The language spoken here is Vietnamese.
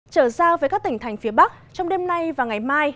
trở ra với các tỉnh thành phía bắc trong đêm nay và ngày mai